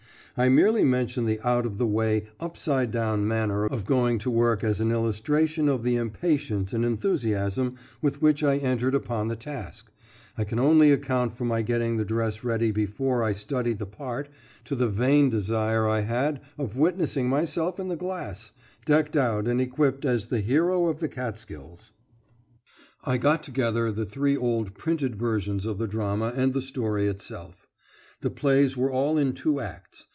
I merely mention the out of the way, upside down manner of going to work as an illustration of the impatience and enthusiasm with which I entered upon the task, I can only account for my getting the dress ready before I studied the part to the vain desire I had of witnessing myself in the glass, decked out and equipped as the hero of the Catskills. I got together the three old printed versions of the drama and the story itself. The plays were all in two acts.